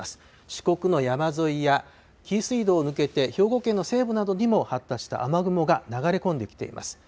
四国の山沿いや紀伊水道を抜けて兵庫県の西部などにも発達した雨雲が流れ込んできています。